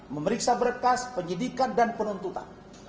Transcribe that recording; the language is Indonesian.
memeriksa berkas penyidikan dan penuntutan